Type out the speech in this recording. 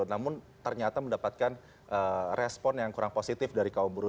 namun ternyata mendapatkan respon yang kurang positif dari kaum buruh